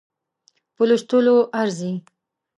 په لوستلو ارزي.